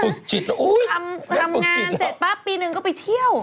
ทำงานเสร็จปั๊บปีหนึ่งก็ไปเที่ยว